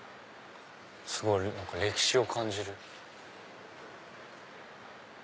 すごい歴史を感じる。